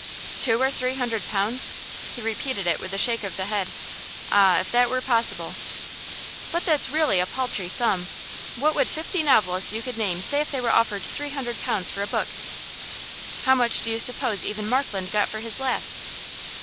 'Two or three hundred pounds!' He repeated it with a shake of the head. 'Ah, if that were possible!' 'But that's really a paltry sum. What would fifty novelists you could name say if they were offered three hundred pounds for a book? How much do you suppose even Markland got for his last?